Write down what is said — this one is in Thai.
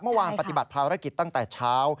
เมื่อวานปฏิบัติภารกิจตั้งแต่เช้า